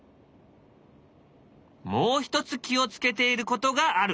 もう一つ気を付けていることがある。